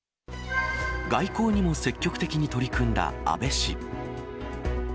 外交にも積極的に取り組んだ安倍氏。